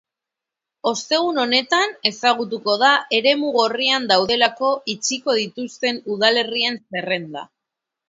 Ostegun honetan ezagutuko da eremu gorrian daudelako itxiko dituzten udalerrien zerrenda.